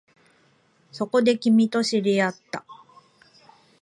そこで、君と知り合った